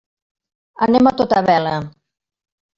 Anem a tota vela.